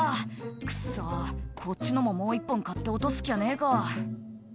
「クッソこっちのももう１本買って落とすっきゃねえか」